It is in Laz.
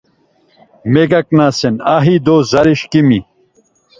Megaǩnasen ahi do zarişǩimi.